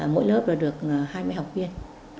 mỗi lớp là được hai mươi học viên